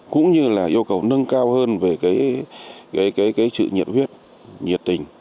cũng như là yêu cầu nâng cao hơn về cái sự nhiệt huyết nhiệt tình